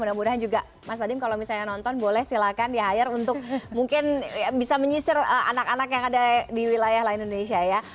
mudah mudahan juga mas adim kalau misalnya nonton boleh silakan di hire untuk mungkin bisa menyisir anak anak yang ada di wilayah indonesia ya